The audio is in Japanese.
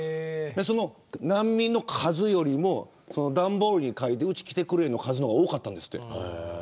その、難民の数よりも段ボールに書いてあるうち来てくれ、の数の方が多かったんですって。